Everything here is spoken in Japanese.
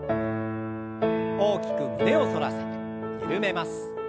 大きく胸を反らせてゆるめます。